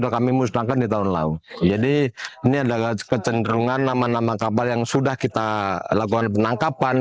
kepada penerbangan nama nama kapal yang sudah kita lakukan penangkapan